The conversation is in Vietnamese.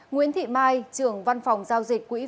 nguyễn thị mai trưởng văn phòng giao dịch quỹ